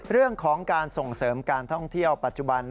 เรื่องของการส่งเสริมการท่องเที่ยวปัจจุบัน